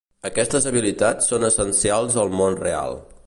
Aquestes habilitats són essencials al món real.